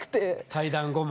退団後も？